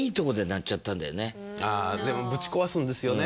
ああでもぶち壊すんですよね。